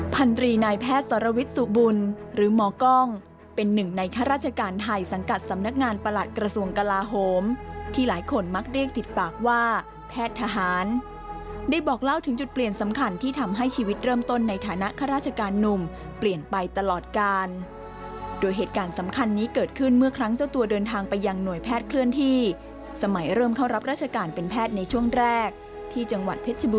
ภัณฑีนายแพทย์สรวิชสุบุลหรือมกล้องเป็นหนึ่งในค่าราชการไทยสังกัดสำนักงานประหลัดกระทรวงกลาโฮมที่หลายคนมักเรียกติดปากว่าแพทย์ทหารได้บอกเล่าถึงจุดเปลี่ยนสำคัญที่ทำให้ชีวิตเริ่มต้นในฐานะค่าราชการหนุ่มเปลี่ยนไปตลอดการโดยเหตุการณ์สำคัญนี้เกิดขึ้นเมื่อครั้งเจ้าตัว